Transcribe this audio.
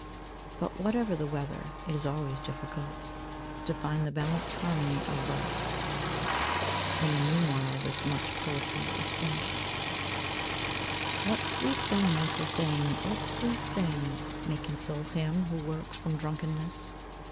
'' But whatever the weather, it is always difficult to find the balanced harmony of verse. In the meanwhile : this much poetry is finished. What sweet thing may sustain, what sweet thing may console him who wakes from drunkenness